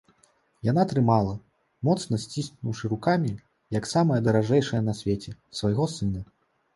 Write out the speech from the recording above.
Яна трымала, моцна сціснуўшы рукамі, як самае даражэйшае на свеце, свайго сына.